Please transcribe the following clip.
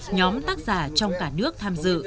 nhóm tác giả trong cả nước tham dự